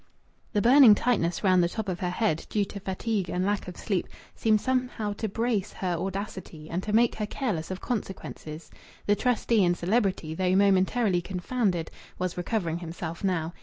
The burning tightness round the top of her head, due to fatigue and lack of sleep, seemed somehow to brace her audacity, and to make her careless of consequences. The trustee and celebrity, though momentarily confounded, was recovering himself now.